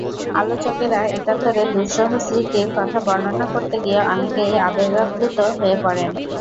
আলোচকেরা একাত্তরের দুঃসহ স্মৃতির কথা বর্ণনা করতে গিয়ে অনেকেই আবেগাপ্লুত হয়ে পড়েন।